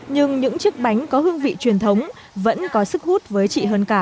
nhưng những chiếc bánh có hương vị truyền thống vẫn có sức hút với chị hơn cả